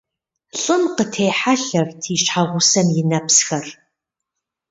Лӏым къытехьэлъэрт и щхьэгъусэм и нэпсхэр.